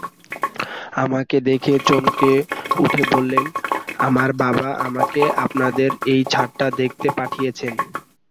আমাকে দেখে চমকে উঠে বললেন, আমার বাবা আমাকে আপনাদের এই ছাদটা দেখতে পাঠিয়েছেন।